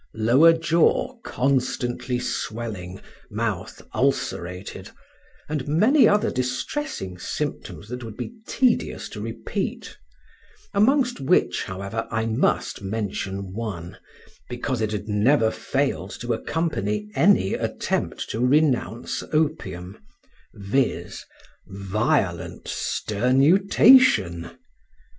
Lower jaw constantly swelling, mouth ulcerated, and many other distressing symptoms that would be tedious to repeat; amongst which, however, I must mention one, because it had never failed to accompany any attempt to renounce opium—viz., violent sternutation.